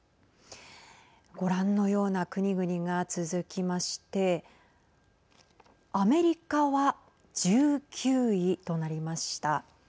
ご覧のような国々が続きましてアメリカは１９位となりました。